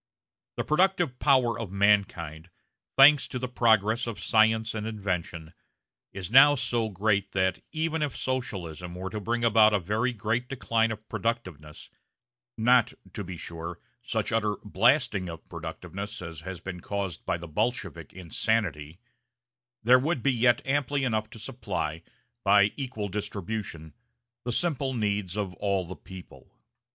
The productive power of mankind, thanks to the progress of science and invention, is now so great that, even if Socialism were to bring about a very great decline of productiveness not, to be sure, such utter blasting of productiveness as has been caused by the Bolshevik insanity there would yet be amply enough to supply, by equal distribution, the simple needs of all the people.